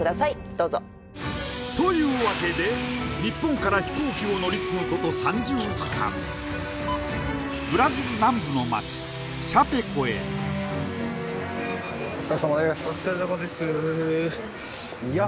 どうぞというわけで日本から飛行機を乗り継ぐこと３０時間ブラジル南部の街シャペコへお疲れさまですお疲れさまですいや